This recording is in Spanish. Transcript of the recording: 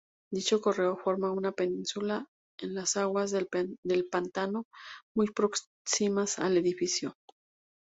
Dicho cerro forma una península en las aguas del pantano, muy próximas al edificio.